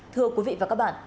thưa quý vị và các bạn